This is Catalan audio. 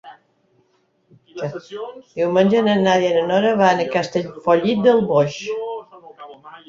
Diumenge na Nàdia i na Nora van a Castellfollit del Boix.